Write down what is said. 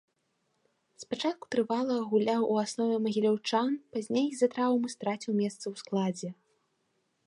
Спачатку трывала гуляў у аснове магіляўчан, пазней з-за траўмы страціў месца ў складзе.